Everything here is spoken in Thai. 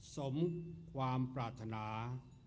สมความปรารถนา